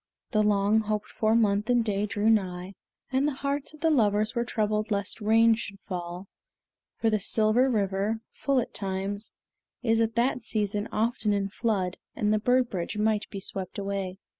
The long hoped for month and day drew nigh, and the hearts of the lovers were troubled lest rain should fall; for the Silver River, full at all times, is at that season often in flood, and the bird bridge might be swept away.